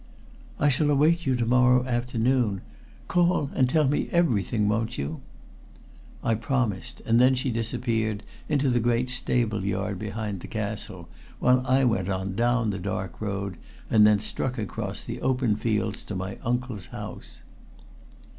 "I shall await you to morrow afternoon. Call and tell me everything, won't you?" I promised, and then she disappeared into the great stable yard behind the castle, while I went on down the dark road and then struck across the open fields to my uncle's house.